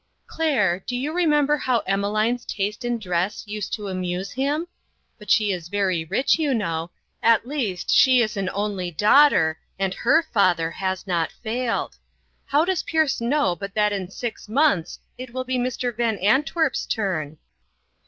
Claire, do you remember how Emmeline's taste in dress used to amuse him? But she is very rich, you know; at least, she is an only daughter, and her father has not failed. How does Pierce know but that in six months it will be Mr. Van Antwerp's turn